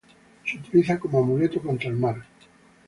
Se utiliza como amuleto contra el mal.